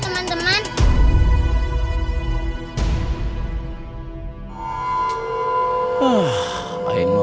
makasih ya teman teman